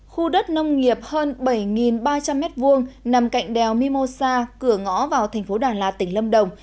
khu đất nông nghiệp hơn bảy ba trăm linh m hai nằm cạnh đèo mimosa cửa ngõ vào thành phố đà lạt tỉnh lâm đồng